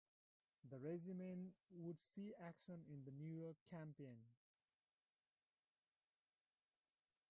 The regiment would see action in the New York Campaign.